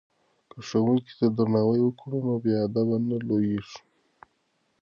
که ښوونکي ته درناوی وکړو نو بې ادبه نه لویږو.